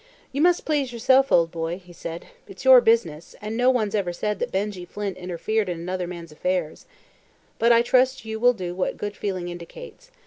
"You must please yourself, old boy," he said. "It's your business, and no one's ever said that Benjy Flint interfered in another man's affairs. But I trust you will do what good feeling indicates.